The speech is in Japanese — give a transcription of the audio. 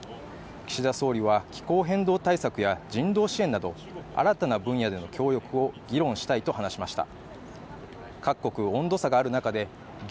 岸田総理は気候変動対策や人道支援など新たな分野での協力を議論したいと話しました